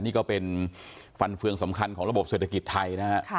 นี่ก็เป็นฟันเฟืองสำคัญของระบบเศรษฐกิจไทยนะฮะ